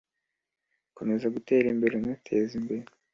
akomeza gutera imbere anateza imbere.